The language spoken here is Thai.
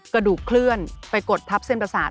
กระดูกเคลื่อนไปกดทับเส้นประสาท